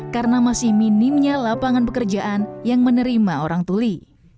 karena masih minimnya lapangan pekerjaan yang menerima orang tuli